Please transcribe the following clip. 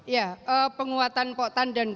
ya penguatan poktan dan